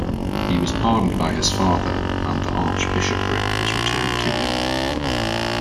He was pardoned by his father, and the archbishopric was returned to him.